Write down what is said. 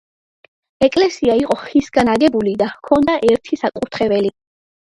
ეკლესია იყო ხისგან აგებული და ჰქონდა ერთი საკურთხეველი.